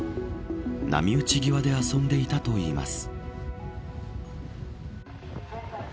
波打ち際で遊んでいたといいます。